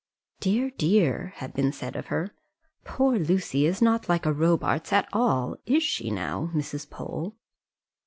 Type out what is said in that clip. "Dear dear!" had been said of her; "poor Lucy is not like a Robarts at all; is she, now, Mrs. Pole?"